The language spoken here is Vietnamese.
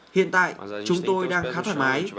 hiện tại chúng tôi đang khá thoải mái